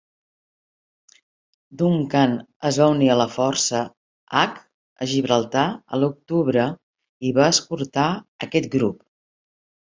"Duncan" es va unir a la força H a Gibraltar a l'octubre i va escortar aquest grup.